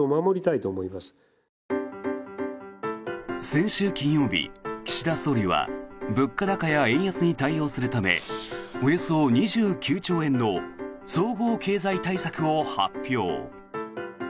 先週金曜日、岸田総理は物価高や円安に対応するためおよそ２９兆円の総合経済対策を発表。